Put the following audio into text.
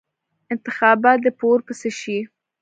انتخابات دې په اور پسې شي.